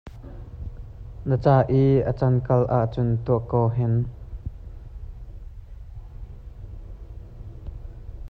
Na ca i a cankal ah cun tuah ko hen.